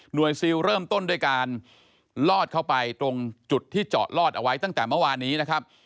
ซิลเริ่มต้นด้วยการลอดเข้าไปตรงจุดที่เจาะลอดเอาไว้ตั้งแต่เมื่อวานนี้นะครับ